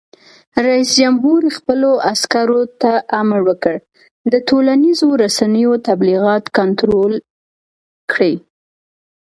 رئیس جمهور خپلو عسکرو ته امر وکړ؛ د ټولنیزو رسنیو تبلیغات کنټرول کړئ!